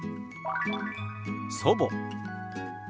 「祖母」。